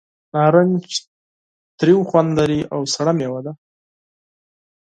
نارنج تریو خوند لري او سړه مېوه ده.